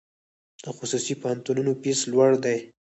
د خصوصي پوهنتونونو فیس لوړ دی؟